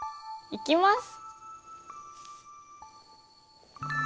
いきます。